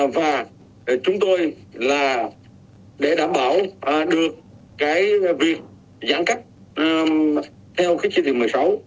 và chúng tôi là để đảm bảo được cái việc giãn cách theo cái chỉ thị một mươi sáu